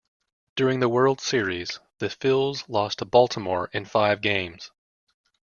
During the World Series, the Phils lost to Baltimore in five games.